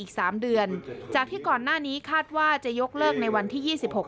อีกสามเดือนจากที่ก่อนหน้านี้คาดว่าจะยกเลิกในวันที่ยี่สิบหก